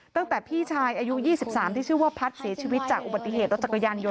ตั้งแต่พี่ชายอายุ๒๓ที่ชื่อผัสเสียชีวิตจากอุบัติเก็บ